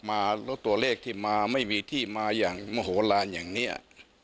ไม่มีที่มาอย่างโมโหลาอย่างเนี้ย